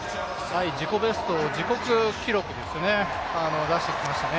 自己ベスト、自国記録ですよね、出してきましたね。